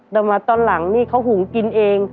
แต่มาตอนหลังนี่เขาหุงกินเอง